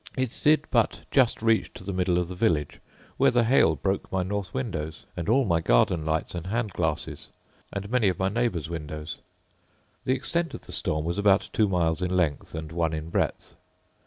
It did but just reach to the middle of the village, where the hail broke my north windows, and all my garden lights and hand glasses, and many of my neighbours' windows. The extent of the storm was about two miles in length and one in breadth.